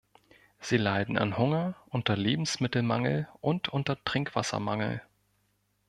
Sie leiden an Hunger, unter Lebensmittelmangel und unter Trinkwassermangel.